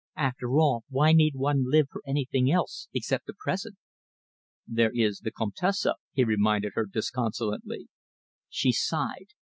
After all, why need one live for anything else except the present?" "There is the Comtesse," he reminded her disconsolately. She sighed.